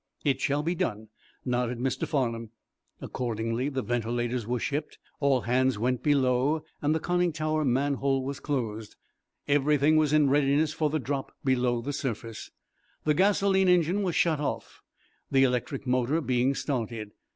"It shall be done," nodded Mr. Farnum. Accordingly the ventilators were shipped, all hands went below, and the conning tower manhole was closed. Everything was in readiness for the drop below the surface. The gasoline engine was shut off, the electric motor being started.